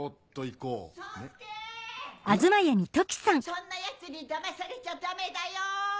そんなヤツにだまされちゃダメだよ！